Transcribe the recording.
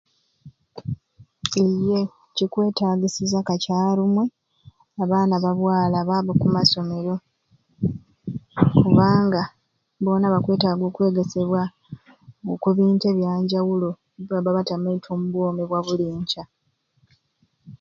Iyeee kikwetagisiza kakyarumwei abaana ba bwala babe okumasomero kubanga bona bakwetaga okwegesebwa okubintu ebyanjawulo bibabba batamaite ombwomi bwabuli nkya.